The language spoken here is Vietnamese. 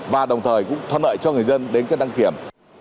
và đồng thời cũng thuận lợi cho người dân đến đăng kiểm